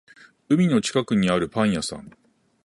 海の近くにあるパン屋さん